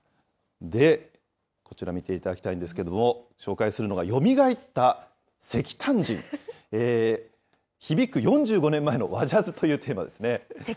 で、こちら見ていただきたいんですけれども、紹介するのが、よみがえった石炭人響く４５年前の和ジャズというテーマですね。